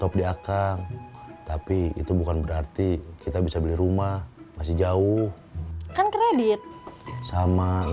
apa yang harus aku pikirin sekarang agih learning